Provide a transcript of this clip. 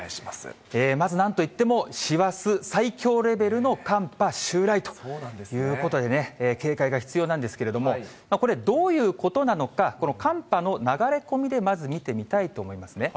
まずなんといっても、師走最強レベルの寒波襲来ということでね、警戒が必要なんですけれども、これ、どういうことなのか、この寒波の流れ込みで、まず見てみたいと思いますね。